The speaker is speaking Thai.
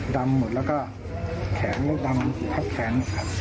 ดำหมดแล้วก็แขนก็ดำทับแขน